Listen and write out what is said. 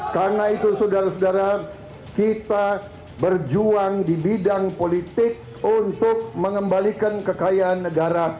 karena itu saudara saudara kita berjuang di bidang politik untuk mengembalikan kekayaan negara